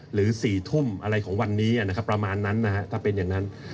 หรือ๔ทุ่มอะไรของวันนี้นะครับประมาณนั้นนะฮะถ้าเป็นอย่างนั้น